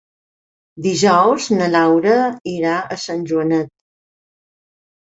Dijous na Laura irà a Sant Joanet.